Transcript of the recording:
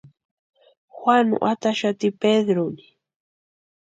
Juanu ataxati Pedruni.